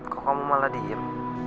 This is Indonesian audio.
kok kamu malah diem